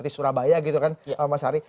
di surabaya gitu kan mas ari